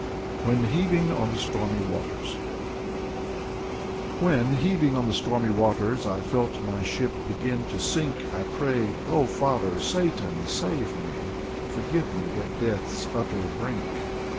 64 Fyodor Sologub "WHEN, HEAVING ON THE STORMY WATERS " When, heaving on the stormy waters, I felt my ship begin to sink, I prayed, " Oh, Father Satan, save me, Forgive me at death's utter brink!